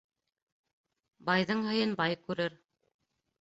Байҙың һыйын бай күрер